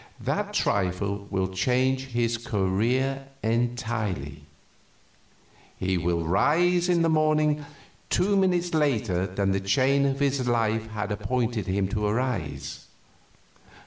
That trifle will change his career entirely. He will rise in the morning two minutes later than the chain of his life had appointed him to rise.